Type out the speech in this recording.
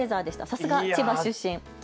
さすが千葉出身。